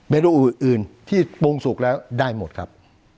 ดูอื่นที่ปรุงสุกแล้วได้หมดครับ